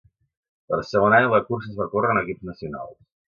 Per segon any la cursa es va córrer en equips nacionals.